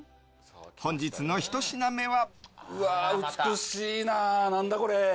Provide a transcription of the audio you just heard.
本日のひと品目は。